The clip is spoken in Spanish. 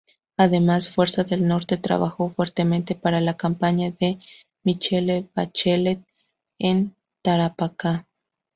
Además, Fuerza del Norte trabajó fuertemente para la campaña de Michelle Bachelet en Tarapacá.